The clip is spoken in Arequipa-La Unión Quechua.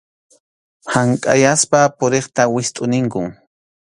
Hank’ayaspa puriqta wistʼu ninkum.